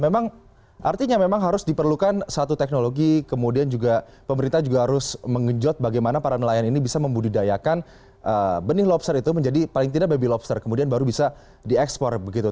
memang artinya memang harus diperlukan satu teknologi kemudian juga pemerintah juga harus mengenjot bagaimana para nelayan ini bisa membudidayakan benih lobster itu menjadi paling tidak baby lobster kemudian baru bisa diekspor begitu